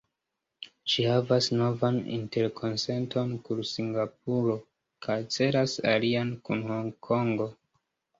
Ĝi havas novan interkonsenton kun Singapuro, kaj celas alian kun Honkongo.